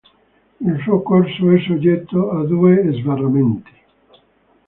Il suo corso è soggetto a due sbarramenti.